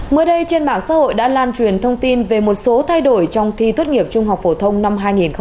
mới đây trên mạng xã hội đã lan truyền thông tin về một số thay đổi trong thi tốt nghiệp trung học phổ thông năm hai nghìn hai mươi